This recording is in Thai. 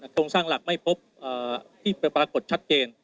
โครงสร้างหลักไม่พบที่ปรากฏชัดเจน